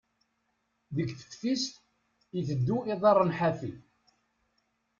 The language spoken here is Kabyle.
Deg teftist, iteddu iḍarren ḥafi.